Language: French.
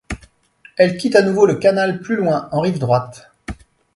Elle quitte à nouveau le canal plus loin en rive droite.